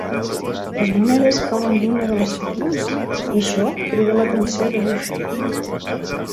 Les monedes cauen d'una de les taquilles, i això crida l'atenció de Buffy.